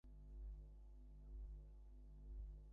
এই স্থূল আধ্যাত্মিক তত্ত্বটিই সর্বপ্রকার নীতিবাক্যের মূলে নিহিত আছে।